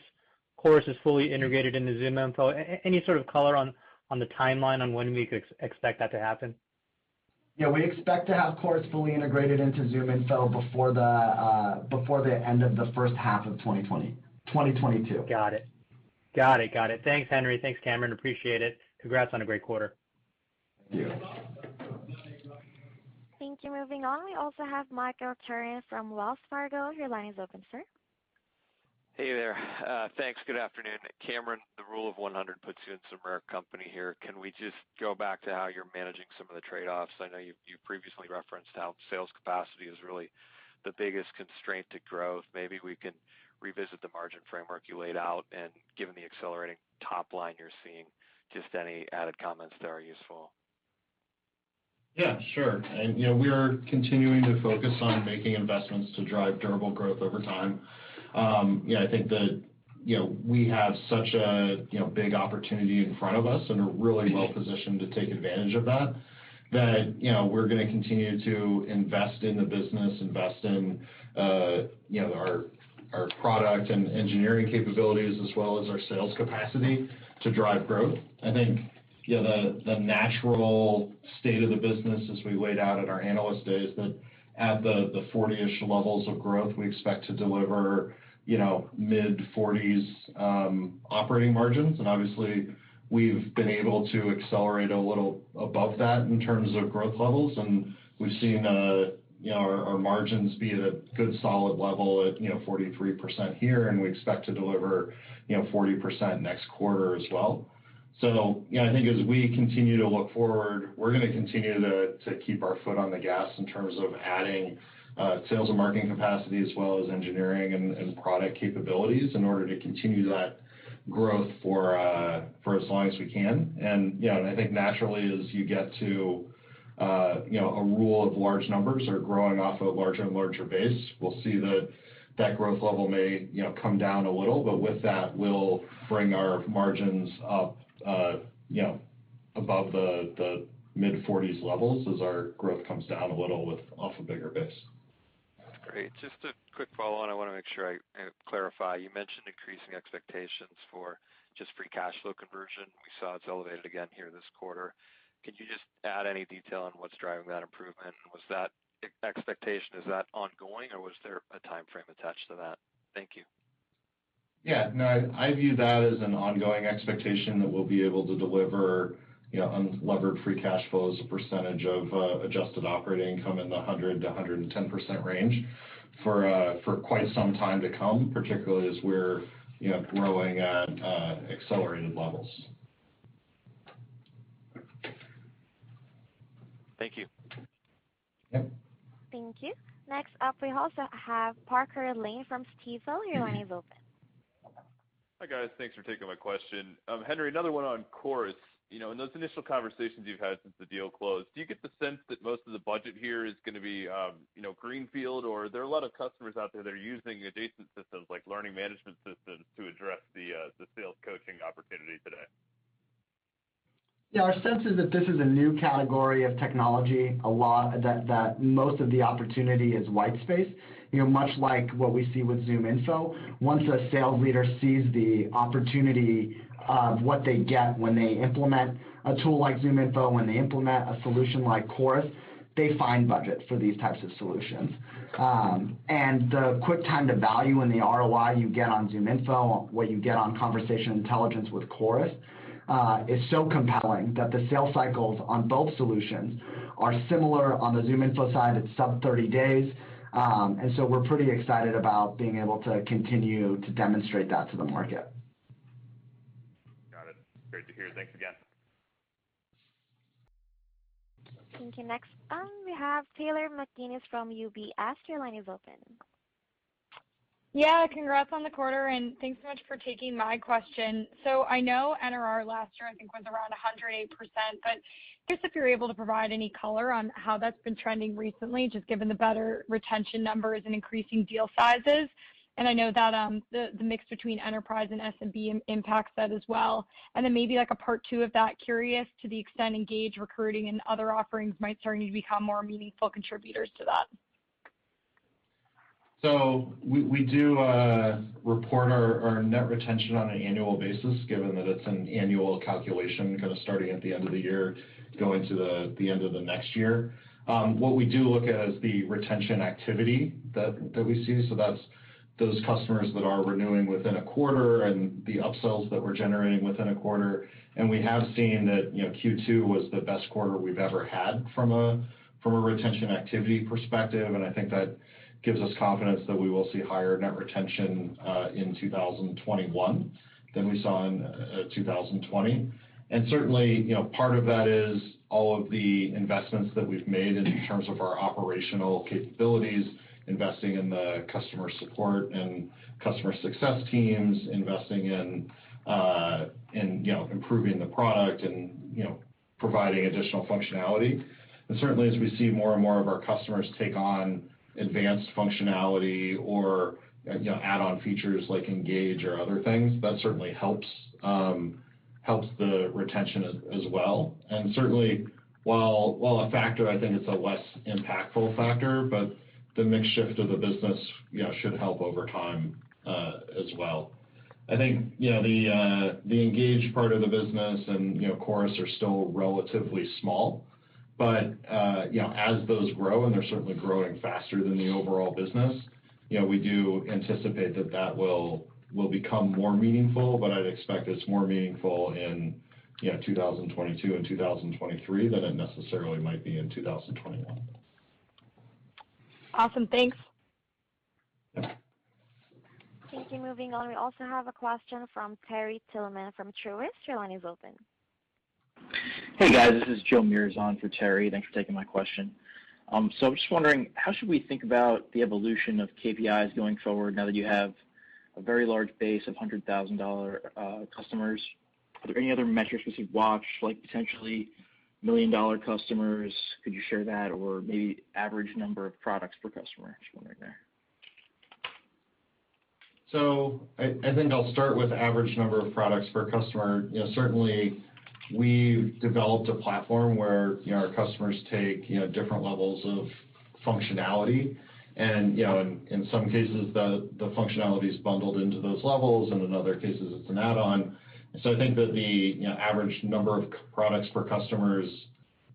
Speaker 11: Chorus is fully integrated into ZoomInfo, any sort of color on the timeline on when we could expect that to happen?
Speaker 3: Yeah, we expect to have Chorus fully integrated into ZoomInfo before the end of the H1 of 2022.
Speaker 11: Got it. Thanks, Henry. Thanks, Cameron. Appreciate it. Congrats on a great quarter.
Speaker 3: Thank you.
Speaker 1: Thank you. Moving on, we also have Michael Turrin from Wells Fargo. Your line is open, sir.
Speaker 12: Hey there. Thanks. Good afternoon. Cameron, the rule of 100 puts you in some rare company here. Can we just go back to how you're managing some of the trade-offs? I know you previously referenced how sales capacity is really the biggest constraint to growth. Maybe we can revisit the margin framework you laid out, and given the accelerating top line you're seeing, just any added comments that are useful.
Speaker 4: Yeah, sure. We are continuing to focus on making investments to drive durable growth over time. I think that we have such a big opportunity in front of us and are really well positioned to take advantage of that we're going to continue to invest in the business, invest in our product and engineering capabilities as well as our sales capacity to drive growth. I think the natural state of the business as we laid out at our Analyst Day is that at the 40-ish levels of growth, we expect to deliver mid-40s operating margins. Obviously, we've been able to accelerate a little above that in terms of growth levels. We've seen our margins be at a good solid level at 43% here, and we expect to deliver 40% next quarter as well. Yeah, I think as we continue to look forward, we're going to continue to keep our foot on the gas in terms of adding sales and marketing capacity as well as engineering and product capabilities in order to continue that growth for as long as we can. I think naturally, as you get to a rule of large numbers or growing off a larger and larger base, we'll see that that growth level may come down a little, but with that, we'll bring our margins up above the mid-40s levels as our growth comes down a little off a bigger base.
Speaker 12: Great. Just a quick follow-on. I want to make sure I clarify. You mentioned increasing expectations for just free cash flow conversion. We saw it's elevated again here this quarter. Could you just add any detail on what's driving that improvement? Was that expectation, is that ongoing, or was there a timeframe attached to that? Thank you.
Speaker 4: Yeah, no. I view that as an ongoing expectation that we'll be able to deliver unlevered free cash flow as a percentage of adjusted operating income in the 100%-110% range for quite some time to come, particularly as we're growing at accelerated levels.
Speaker 12: Thank you.
Speaker 4: Yep.
Speaker 1: Thank you. Next up, we also have Parker Lane from Stifel. Your line is open.
Speaker 13: Hi, guys. Thanks for taking my question. Henry, another one on Chorus. In those initial conversations you've had since the deal closed, do you get the sense that most of the budget here is going to be greenfield, or are there a lot of customers out there that are using adjacent systems like learning management systems to address the sales coaching opportunity today?
Speaker 3: Yeah. Our sense is that this is a new category of technology, a lot that most of the opportunity is white space. Much like what we see with ZoomInfo, once a sales leader sees the opportunity of what they get when they implement a tool like ZoomInfo, when they implement a solution like Chorus, they find budget for these types of solutions. The quick time to value and the ROI you get on ZoomInfo, what you get on conversation intelligence with Chorus is so compelling that the sales cycles on both solutions are similar. On the ZoomInfo side, it's sub 30 days. We're pretty excited about being able to continue to demonstrate that to the market.
Speaker 13: Got it. Great to hear. Thanks again.
Speaker 1: Thank you. Next up we have Taylor McGinnis from UBS. Your line is open.
Speaker 14: Yeah. Congrats on the quarter, and thanks so much for taking my question. I know NRR last year, I think, was around 108%, but curious if you're able to provide any color on how that's been trending recently, just given the better retention numbers and increasing deal sizes. I know that the mix between enterprise and SMB impacts that as well. Maybe like a part two of that, curious to the extent Engage Recruiting and other offerings might starting to become more meaningful contributors to that.
Speaker 4: We do report our net retention on an annual basis, given that it's an annual calculation starting at the end of the year, going to the end of the next year. What we do look at is the retention activity that we see. That's those customers that are renewing within a quarter and the upsells that we're generating within a quarter. We have seen that Q2 was the best quarter we've ever had from a retention activity perspective. I think that gives us confidence that we will see higher net retention in 2021 than we saw in 2020. Certainly, part of that is all of the investments that we've made in terms of our operational capabilities, investing in the customer support and customer success teams, investing in improving the product and providing additional functionality. Certainly, as we see more and more of our customers take on advanced functionality or add-on features like Engage or other things, that certainly helps the retention as well. Certainly, while a factor, I think it's a less impactful factor, the mix shift of the business should help over time as well. I think the Engage part of the business and Chorus are still relatively small. As those grow, and they're certainly growing faster than the overall business, we do anticipate that that will become more meaningful. I'd expect it's more meaningful in 2022 and 2023 than it necessarily might be in 2021.
Speaker 14: Awesome. Thanks.
Speaker 4: Yeah.
Speaker 1: Thank you. Moving on, we also have a question from Terry Tillman from Truist. Your line is open.
Speaker 15: Hey, guys. This is Joe Meares for Terry Tillman. Thanks for taking my question. I'm just wondering, how should we think about the evolution of KPIs going forward now that you have a very large base of $100,000 customers? Are there any other metrics we should watch, like potentially million-dollar customers? Could you share that or maybe average number of products per customer? Just wondering there.
Speaker 4: I think I'll start with average number of products per customer. Certainly, we've developed a platform where our customers take different levels of functionality. In some cases, the functionality is bundled into those levels, and in other cases, it's an add-on. I think that the average number of products per customer is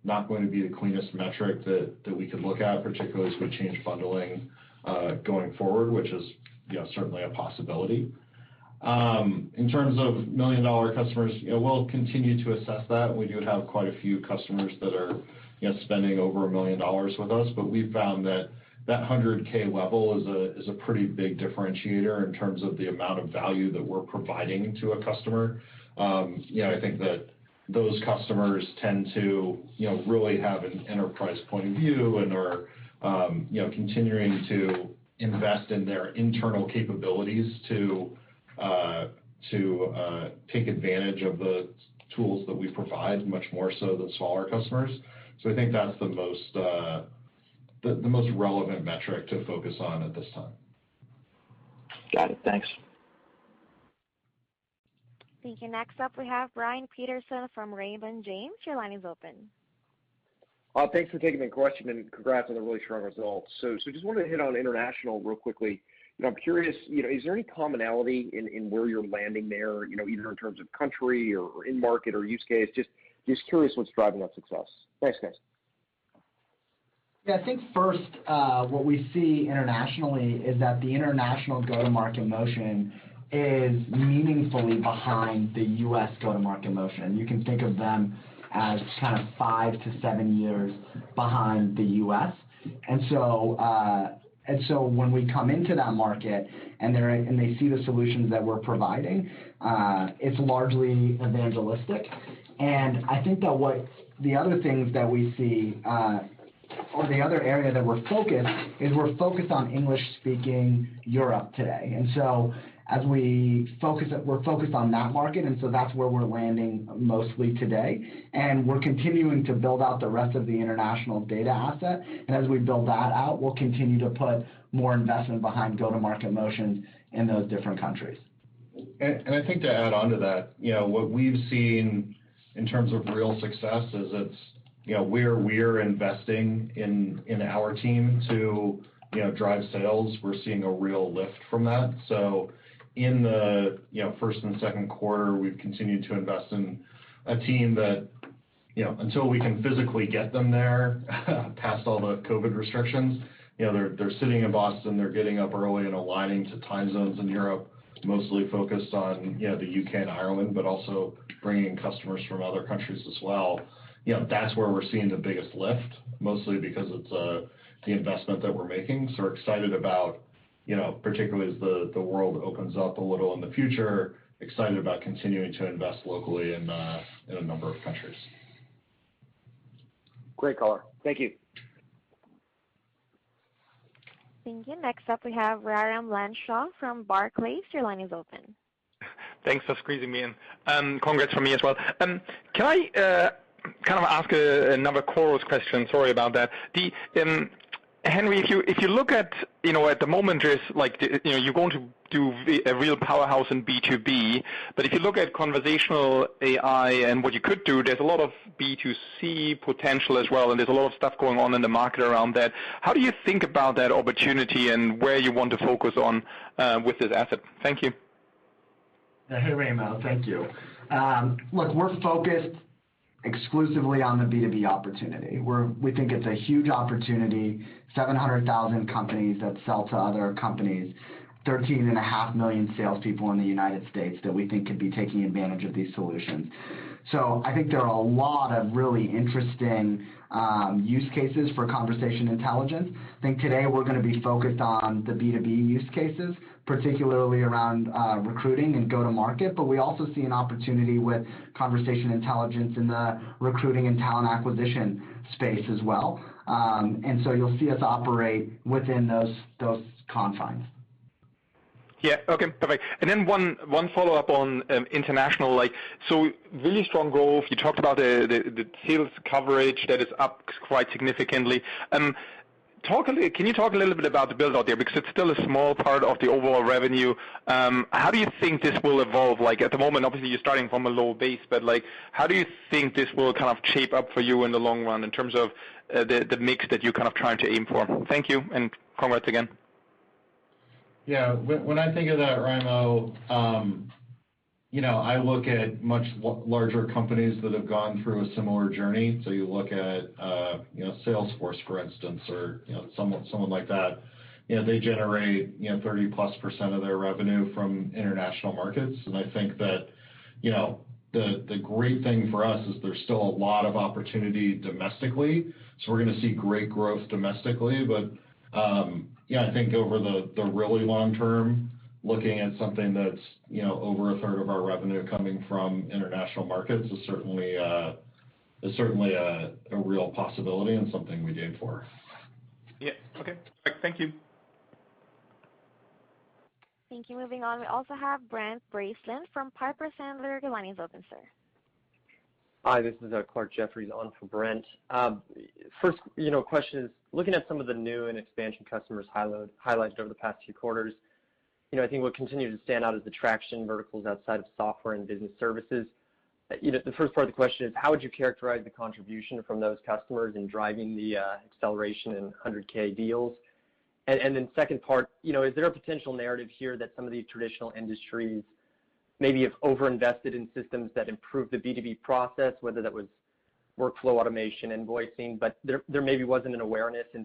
Speaker 4: not going to be the cleanest metric that we could look at, particularly as we change bundling going forward, which is certainly a possibility. In terms of $1 million customers, we'll continue to assess that. We do have quite a few customers that are spending over $1 million with us. We've found that that 100K level is a pretty big differentiator in terms of the amount of value that we're providing to a customer. I think that those customers tend to really have an enterprise point of view and are continuing to invest in their internal capabilities to take advantage of the tools that we provide much more so than smaller customers. I think that's the most relevant metric to focus on at this time.
Speaker 15: Got it. Thanks.
Speaker 1: Thank you. Next up, we have Brian Peterson from Raymond James. Your line is open.
Speaker 16: Thanks for taking the question, and congrats on the really strong results. Just wanted to hit on international real quickly. I'm curious, is there any commonality in where you're landing there, either in terms of country or in market or use case? Just curious what's driving that success. Thanks, guys.
Speaker 3: I think first what we see internationally is that the international go-to-market motion is meaningfully behind the U.S. go-to-market motion. You can think of them as kind of five to seven years behind the U.S. When we come into that market and they see the solutions that we're providing, it's largely evangelistic. I think that what the other things that we see, or the other area that we're focused, is we're focused on English-speaking Europe today. As we're focused on that market, and so that's where we're landing mostly today, and we're continuing to build out the rest of the international data asset. As we build that out, we'll continue to put more investment behind go-to-market motions in those different countries.
Speaker 4: I think to add onto that, what we've seen in terms of real success is it's where we're investing in our team to drive sales, we're seeing a real lift from that. In the first and Q2, we've continued to invest in a team that until we can physically get them there, past all the COVID restrictions, they're sitting in Boston, they're getting up early and aligning to time zones in Europe, mostly focused on the U.K. and Ireland, but also bringing in customers from other countries as well. That's where we're seeing the biggest lift, mostly because of the investment that we're making. We're excited about, particularly as the world opens up a little in the future, excited about continuing to invest locally in a number of countries.
Speaker 16: Great call. Thank you.
Speaker 1: Thank you. Next up, we have Raimo Lenschow from Barclays. Your line is open.
Speaker 17: Thanks for squeezing me in. Congrats from me as well. Can I ask another Chorus question? Sorry about that. Henry, if you look at the moment, you're going to do a real powerhouse in B2B. If you look at conversational AI and what you could do, there's a lot of B2C potential as well, and there's a lot of stuff going on in the market around that. How do you think about that opportunity and where you want to focus on with this asset? Thank you.
Speaker 3: Yeah. Hey, Raimo. Thank you. We're focused exclusively on the B2B opportunity. We think it's a huge opportunity, 700,000 companies that sell to other companies, 13 and a half million salespeople in the United States that we think could be taking advantage of these solutions. I think there are a lot of really interesting use cases for conversation intelligence. I think today we're going to be focused on the B2B use cases, particularly around recruiting and go-to-market, we also see an opportunity with conversation intelligence in the recruiting and talent acquisition space as well. You'll see us operate within those confines.
Speaker 17: One follow-up on international. Really strong growth. You talked about the sales coverage that is up quite significantly. Can you talk a little bit about the build out there? It's still a small part of the overall revenue. How do you think this will evolve? At the moment, obviously, you're starting from a low base, but how do you think this will kind of shape up for you in the long run in terms of the mix that you're kind of trying to aim for? Thank you, and congrats again.
Speaker 4: Yeah. When I think of that, Raimo, I look at much larger companies that have gone through a similar journey. You look at Salesforce, for instance, or someone like that. They generate 30-plus % of their revenue from international markets, and I think that the great thing for us is there's still a lot of opportunity domestically, so we're going to see great growth domestically. Yeah, I think over the really long term, looking at something that's over a third of our revenue coming from international markets is certainly a real possibility and something we aim for.
Speaker 17: Yeah. Okay. Thank you.
Speaker 1: Thank you. Moving on, we also have Brent Bracelin from Piper Sandler. Your line is open, sir.
Speaker 18: Hi, this is Clarke Jeffries on for Brent. First question is, looking at some of the new and expansion customers highlighted over the past few quarters, I think what continues to stand out is the traction verticals outside of software and business services. The first part of the question is, how would you characterize the contribution from those customers in driving the acceleration in $100K deals? Then second part, is there a potential narrative here that some of these traditional industries maybe have over-invested in systems that improve the B2B process, whether that was workflow automation, invoicing, but there maybe wasn't an awareness of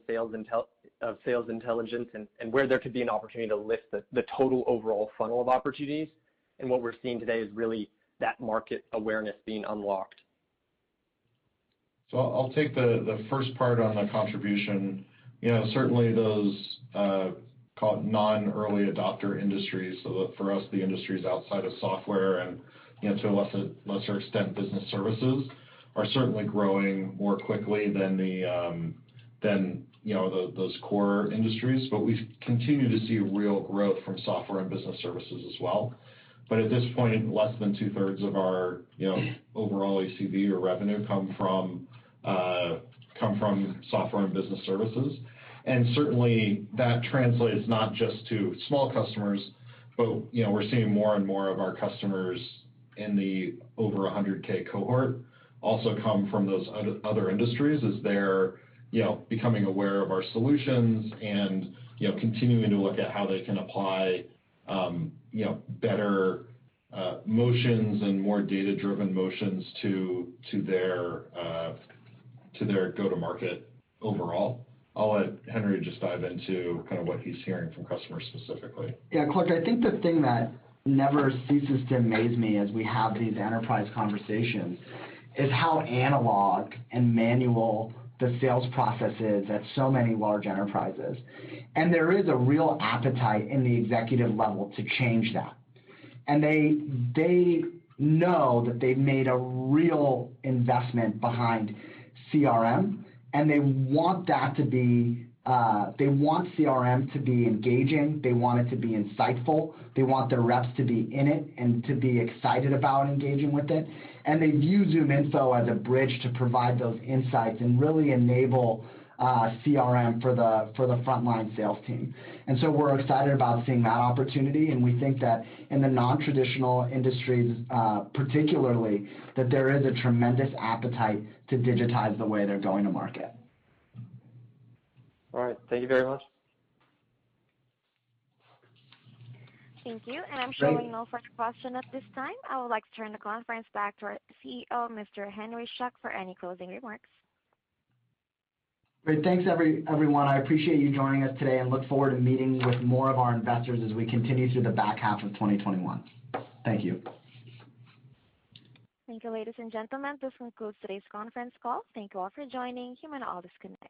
Speaker 18: sales intelligence and where there could be an opportunity to lift the total overall funnel of opportunities, and what we're seeing today is really that market awareness being unlocked?
Speaker 4: I'll take the first part on the contribution. Certainly those, call it, non-early adopter industries, so for us, the industries outside of software and to a lesser extent business services, are certainly growing more quickly than those core industries. We continue to see real growth from software and business services as well. At this point, less than two-thirds of our overall ACV or revenue come from software and business services. Certainly, that translates not just to small customers, but we're seeing more and more of our customers in the over $100K cohort also come from those other industries as they're becoming aware of our solutions and continuing to look at how they can apply better motions and more data-driven motions to their go-to-market overall. I'll let Henry just dive into kind of what he's hearing from customers specifically.
Speaker 3: Yeah, Clarke, I think the thing that never ceases to amaze me as we have these enterprise conversations is how analog and manual the sales process is at so many large enterprises. There is a real appetite in the executive level to change that. They know that they've made a real investment behind CRM, and they want CRM to be engaging, they want it to be insightful, they want their reps to be in it and to be excited about engaging with it, and they view ZoomInfo as a bridge to provide those insights and really enable CRM for the frontline sales team. We're excited about seeing that opportunity, and we think that in the non-traditional industries, particularly, that there is a tremendous appetite to digitize the way they're going to market.
Speaker 18: All right. Thank you very much.
Speaker 1: Thank you.
Speaker 3: Great.
Speaker 1: I'm showing no further question at this time. I would like to turn the conference back to our CEO, Mr. Henry Schuck, for any closing remarks.
Speaker 3: Great. Thanks, everyone. I appreciate you joining us today and look forward to meeting with more of our investors as we continue through the back half of 2021. Thank you.
Speaker 1: Thank you, ladies and gentlemen. This concludes today's conference call. Thank you all for joining. You may all disconnect.